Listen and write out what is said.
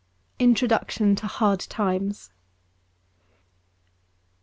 Introduction to ^ Hard Times.'